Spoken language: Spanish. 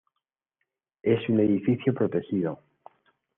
Es un edificio protegido.